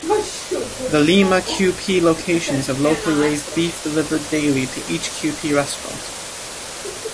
The Lima Kewpee locations have locally raised beef delivered daily to each Kewpee restaurant.